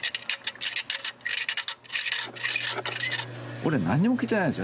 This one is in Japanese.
俺何にも聞いてないんですよね